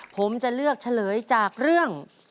ผมจะเลือกเฉลยจากเรื่อง